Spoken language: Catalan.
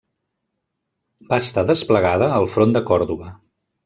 Va estar desplegada al front de Còrdova.